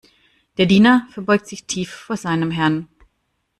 Der Diener verbeugt sich tief vor seinem Herrn.